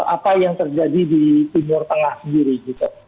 apa yang terjadi di timur tengah sendiri gitu